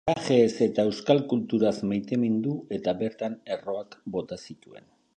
Parajeez eta euskal kulturaz maitemindu eta bertan erroak bota zituen.